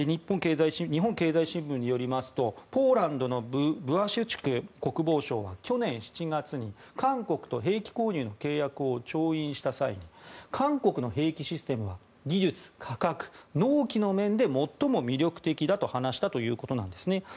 日本経済新聞によりますとポーランドのブワシュチャク国防相が去年７月に韓国と兵器購入の契約を調印した際に韓国の兵器システムは技術、価格、納期の面で最も魅力的だと話したということなんですね。